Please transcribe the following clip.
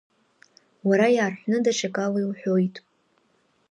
Уара иаарҳәны, даҽакы ала иуҳәоит.